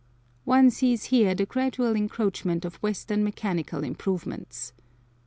One sees here the gradual encroachment of Western mechanical improvements.